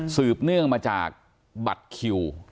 เนื่องมาจากบัตรคิว